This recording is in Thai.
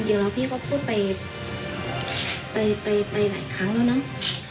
จริงแล้วพี่ก็พูดไปหลายครั้งแล้วนะ